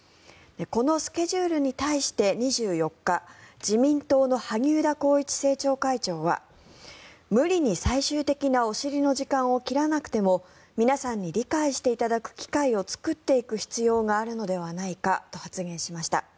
このスケジュールに対して２４日自民党の萩生田光一政調会長は無理に最終的なお尻の時間を切らなくても皆さんに理解していただく機会を作っていく必要があるのではないかと発言しました。